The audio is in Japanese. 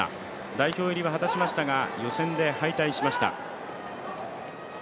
代表入りは果たしましたが、予選で敗退しました。